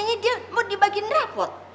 nihari katanya dia mau dibagiin reput